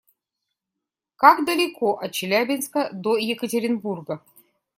Как далеко от Челябинска до Екатеринбурга?